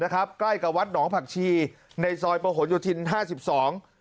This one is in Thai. ใกล้กับวัดหนองผักชีในซอยประหลโยธินห้าสิบสอง